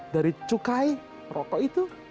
dari cukai rokok itu